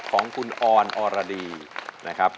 ของคุณออนออรดีนะครับ